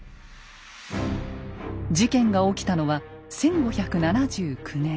事件が起きたのは１５７９年。